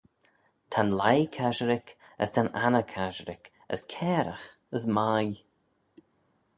Ta'n leigh casherick, as ta'n anney casherick, as cairagh, as mie.